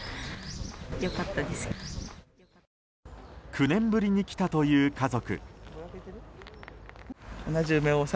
９年ぶりに来たという家族。